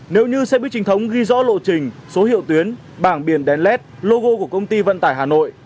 nếu như xe buýt trình thống ghi rõ lộ trình số hiệu tuyến bảng biển đèn led logo của công ty vận tải hà nội